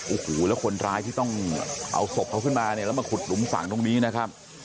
โอ้โหแล้วคนร้ายที่ต้องเอาศพเขาขึ้นมาเนี่ยแล้วมาขุดหลุมฝั่งตรงนี้นะครับ